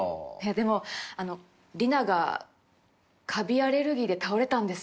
でもあの里奈がカビアレルギーで倒れたんです